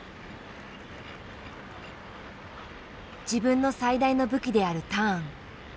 自分の最大の武器であるターン。